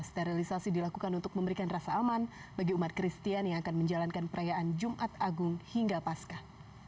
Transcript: sterilisasi dilakukan untuk memberikan rasa aman bagi umat kristian yang akan menjalankan perayaan jumat agung hingga pasca